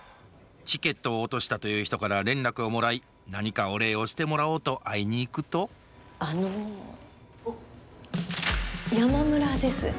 チケットを落としたという人から連絡をもらい何かお礼をしてもらおうと会いに行くとあの山村です。